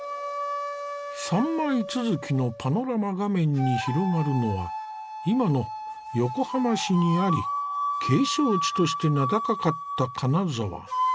３枚続きのパノラマ画面に広がるのは今の横浜市にあり景勝地として名高かった金沢。